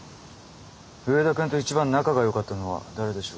上田君と一番仲がよかったのは誰でしょうか？